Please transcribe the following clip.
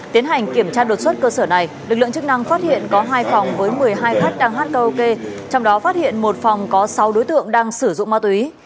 tiến hành kiểm tra đột xuất cơ sở này lực lượng chức năng phát hiện có hai phòng với một mươi hai khách đang hát karaoke trong đó phát hiện một phòng có sáu đối tượng đang sử dụng ma túy